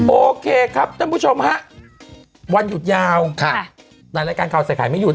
โอเคครับท่านผู้ชมฮะวันหยุดยาวแต่รายการข่าวใส่ไข่ไม่หยุ